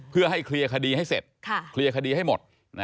เพื่อให้เคลียร์คดีให้เสร็จเคลียร์คดีให้หมด